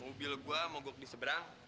mobil gue mogok diseberang